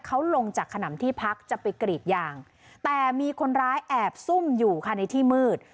เขาลงจากขนำที่พักจะไปกรีดยางแต่มีคนร้ายแอบซุ่มอยู่ค่ะในที่มืด